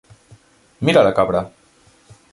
Mira la cabra!